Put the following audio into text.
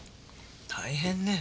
大変ね。